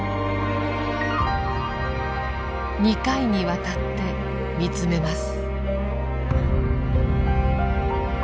２回にわたって見つめます。